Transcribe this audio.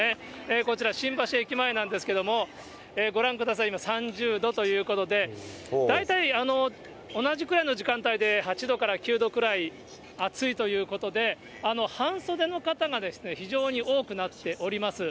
こちら、新橋駅前なんですけども、ご覧ください、今、３０度ということで、大体同じくらいの時間帯で８度から９度くらい暑いということで、半袖の方が非常に多くなっております。